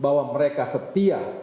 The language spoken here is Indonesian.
bahwa mereka setia